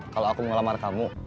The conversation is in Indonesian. kalau aku ngelamar kamu